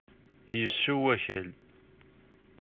Yessew akal.